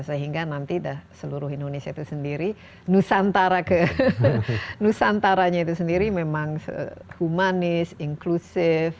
sehingga nanti seluruh indonesia itu sendiri nusantara ke nusantaranya itu sendiri memang humanis inklusif